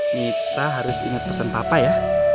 kita harus ingat pesan papa ya